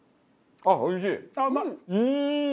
ああおいしい。